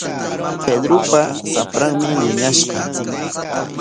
Pedropa shapranmi wiñashqa.